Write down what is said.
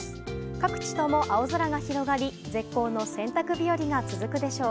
各地とも青空が広がり絶好の洗濯日和が続くでしょう。